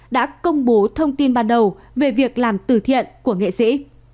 đã công bố thông tin ban đầu về việc làm từ thiện của nghệ sĩ